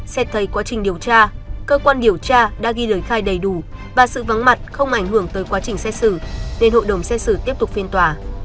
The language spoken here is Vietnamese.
xét thấy quá trình điều tra cơ quan điều tra đã ghi lời khai đầy đủ và sự vắng mặt không ảnh hưởng tới quá trình xét xử nên hội đồng xét xử tiếp tục phiên tòa